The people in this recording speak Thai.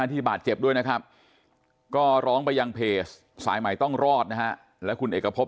ที่บาดเจ็บด้วยนะครับก็ร้องไปยังเพจสายใหม่ต้องรอดนะฮะและคุณเอกพบ